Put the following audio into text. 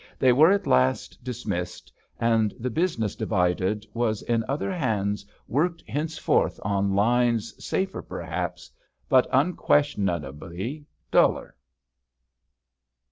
They were at last dismissed, and the business, divided, was in other hands worked henceforth on lines safer perhaps, but un questionably duller.